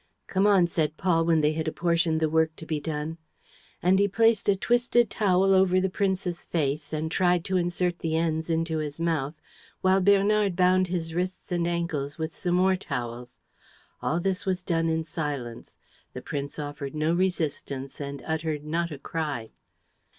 "Come on," said Paul, when they had apportioned the work to be done. And he placed a twisted towel over the prince's face and tried to insert the ends into his mouth while Bernard bound his wrists and ankles with some more towels. All this was done in silence. The prince offered no resistance and uttered not a cry.